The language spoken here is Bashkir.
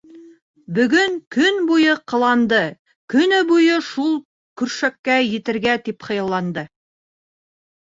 Бөгөн көн буйы ҡыланды, көнө буйы шул көршәккә етергә тип хыялланды.